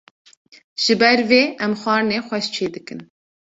Ji ber vê em xwarinên xweş çê dikin